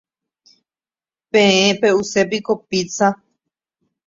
Peẽ pe'usépiko pizza.